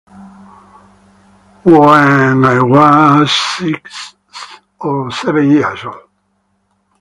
When I was six or seven years old.